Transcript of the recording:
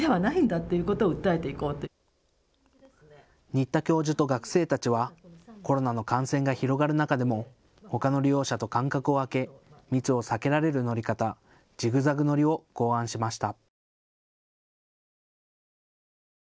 新田教授と学生たちはコロナの感染が広がる中でもほかの利用者と間隔を空け密を避けられる乗り方、ジグザグ乗りを考案しました。